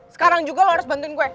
sekarang juga lo harus bantuin gue